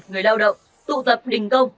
người lao động tụ tập đình công